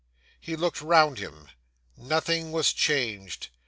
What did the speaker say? He looked round him. Nothing was changed.